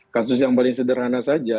kasus yang paling sederhana saja